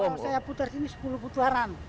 kalau saya putar sini sepuluh putaran